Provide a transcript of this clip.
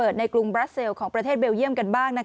ในกรุงบราเซลของประเทศเบลเยี่ยมกันบ้าง